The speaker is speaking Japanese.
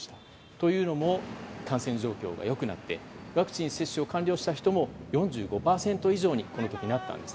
というのも感染状況が良くなってワクチン接種を完了した人も４５％以上にこの時なったんです。